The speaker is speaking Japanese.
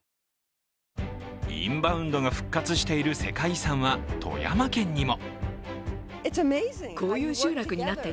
インバウンドが復活している世界遺産は富山県にも。